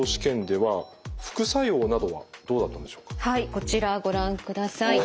こちらご覧ください。